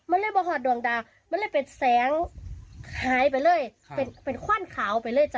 มันเลยไม่หอดดวงดาวมันเลยเป็นแสงหายไปเลยเป็นขว้านขาวไปเลยจ้ะ